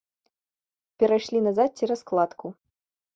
Перайшлі назад цераз кладку.